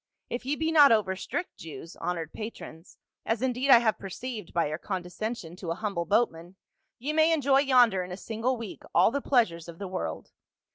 If ye be not over strict Jews, honored patrons — as indeed I have perceived by your condescension to a humble boatman, ye may enjoy yonder in a single week all the pleasures of the world.